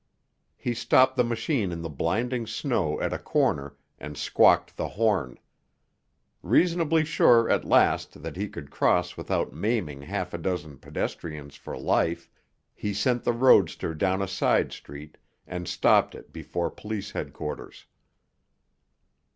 He stopped the machine in the blinding snow at a corner and squawked the horn. Reasonably sure at last that he could cross without maiming half a dozen pedestrians for life, he sent the roadster down a side street and stopped it before police headquarters.